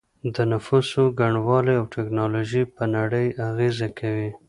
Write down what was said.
د نفوسو ګڼوالی او ټیکنالوژي په نړۍ اغیزه کوي